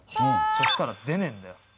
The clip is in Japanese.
そしたら出ねえんだよ。